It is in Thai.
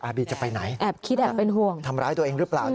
อาร์บีจะไปไหนทำร้ายตัวเองหรือเปล่า